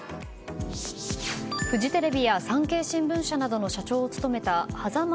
フジテレビや産経新聞社などの社長を務めた羽佐間